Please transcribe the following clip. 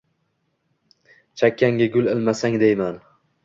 Chakkangga gul ilmasang deyman